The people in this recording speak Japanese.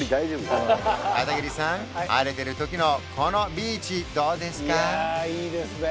片桐さん晴れてるときのこのビーチどうですか？